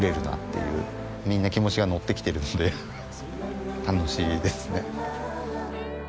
みんな気持ちが乗ってきてるので楽しいですね。